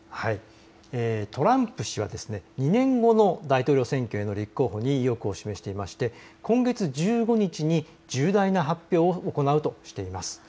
トランプ氏は、２年後の大統領選挙への立候補に意欲を示していて今月１５日に重大な発表を行うとしています。